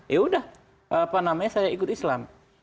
ya udah apa namanya saya ikut islam